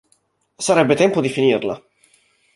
Sarebbe tempo di finirla.